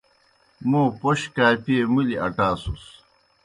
موں پوش کاپیئے مُلیْ اٹاسُس۔